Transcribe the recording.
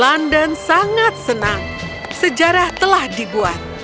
london sangat senang sejarah telah dibuat